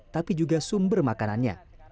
tapi juga sumber makanannya